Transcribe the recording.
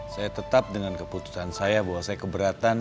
saya tetap dengan keputusan saya bahwa saya keberatan